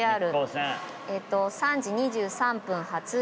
３時２３分発。